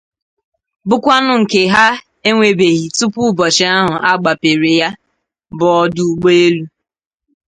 bụkwanụ nke ha enwebèghị tupu ụbọchị ahụ a gbapere ya bụ ọdụ ụgbọelu.